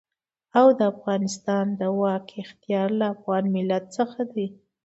او د افغانستان د واک اختيار له افغان ملت څخه دی.